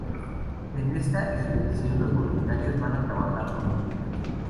En esta expedición, los voluntarios van a trabajar con los niños.